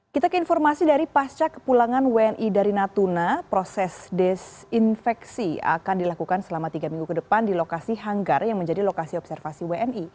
kita ke informasi dari pasca kepulangan wni dari natuna proses desinfeksi akan dilakukan selama tiga minggu ke depan di lokasi hanggar yang menjadi lokasi observasi wni